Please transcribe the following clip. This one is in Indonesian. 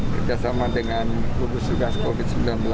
kerjasama dengan gugus tugas covid sembilan belas